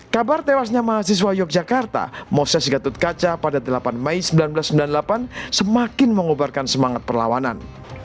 kabar tewasnya mahasiswa yogyakarta moses gatut kaca pada delapan mei seribu sembilan ratus sembilan puluh delapan semakin mengubarkan semangat perlawanan